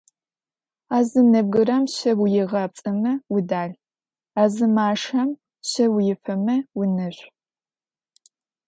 А зы нэбгырэм щэ уигъапцӏэмэ удэл, а зы машэм щэ уифэмэ унэшъу.